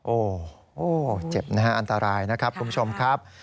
โอ้โหเจ็บนะฮะอันตรายนะครับคุณผู้ชมครับ